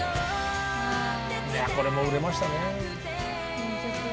これも売れましたね。